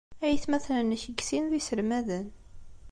Aytmaten-nnek deg sin d iselmaden.